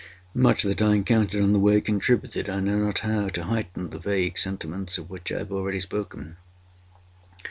Much that I encountered on the way contributed, I know not how, to heighten the vague sentiments of which I have already spoken.